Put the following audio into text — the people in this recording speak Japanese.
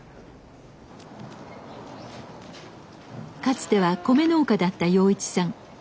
かつては米農家だった洋一さん。